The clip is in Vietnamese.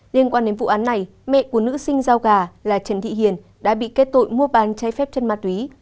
liên quan đến vụ án này mẹ của nữ sinh giao gà là trần thị hiền đã bị kết tội mua bán chai phép chân ma túy